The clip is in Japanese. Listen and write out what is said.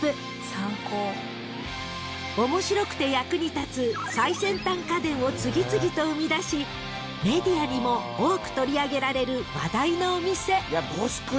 ［面白くて役に立つ最先端家電を次々と生み出しメディアにも多く取り上げられる話題のお店］